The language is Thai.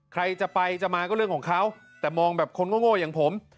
ใครจะไปจะมาก็เรื่องของเขาแต่มองแบบคนโง่อย่างผม